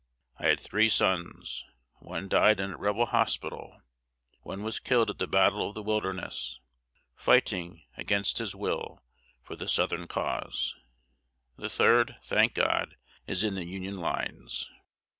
I had three sons; one died in a Rebel hospital; one was killed at the battle of the Wilderness, fighting (against his will) for the Southern cause; the third, thank God! is in the Union lines."